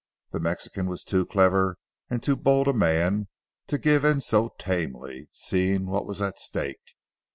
The Mexican was too clever and too bold a man to give in so tamely, seeing what was at stake.